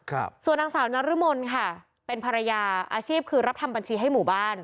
ครับส่วนนางสาวนรมนค่ะเป็นภรรยาอาชีพคือรับทำบัญชีให้หมู่บ้าน